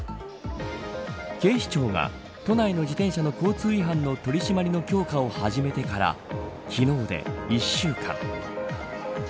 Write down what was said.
警視庁が都内の自転車の交通違反の取り締まりの強化を始めてから昨日で１週間。